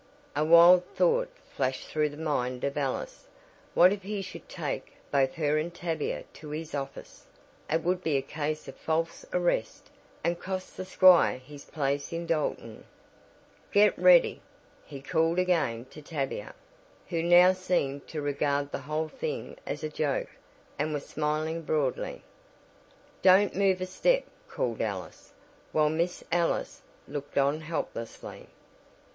A wild thought flashed through the mind of Alice. What if he should take both her and Tavia to his office! It would be a case of false arrest, and cost the squire his place in Dalton! "Get ready!" he called again to Tavia, who now seemed to regard the whole thing as a joke, and was smiling broadly. "Don't move a step!" called Alice, while Miss Ellis looked on helplessly.